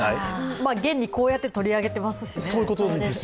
げんにこうやって、取り上げてますしね。